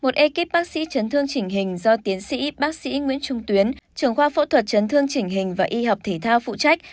một ekip bác sĩ chấn thương chỉnh hình do tiến sĩ bác sĩ nguyễn trung tuyến trưởng khoa phẫu thuật chấn thương chỉnh hình và y học thể thao phụ trách